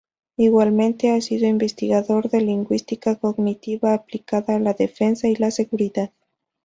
Igualmente, ha sido investigador de lingüística cognitiva aplicada a la defensa y la seguridad.